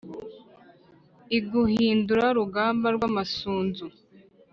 iguhindura rugamba rw'amasunzu